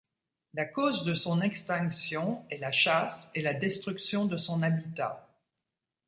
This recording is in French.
La cause de son extinction est la chasse et la destruction de son habitat.